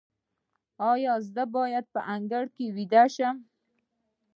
ایا زه باید په انګړ کې ویده شم؟